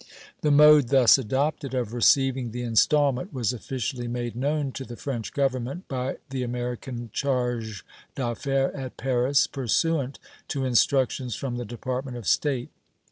The mode thus adopted of receiving the installment was officially made known to the French Government by the American charge d'affaires at Paris, pursuant to instructions from the Department of State.